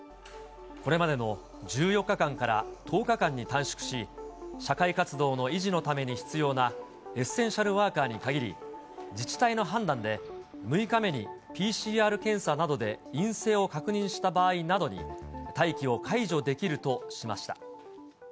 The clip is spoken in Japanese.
これまでの１４日間から１０日間に短縮し、社会活動の維持のために必要なエッセンシャルワーカーに限り、自治体の判断で、６日目にＰＣＲ検査などで陰性を確認した場合などに、待機を解除できるとしました。